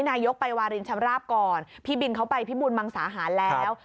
นายกไปวารินชำราบก่อนพี่บินเขาไปพิบูลมังสาหารแล้ว